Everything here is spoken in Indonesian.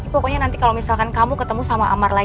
pokoknya nanti kalau misalkan kamu ketemu sama amar lagi